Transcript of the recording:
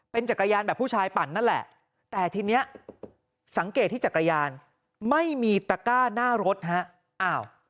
เป็นจักรยานแบบผู้ชายปั่นนั่นแหละแต่ทีนี้สังเกตที่จักรยานไม่มีตะก้าหน้ารถฮะอ้าว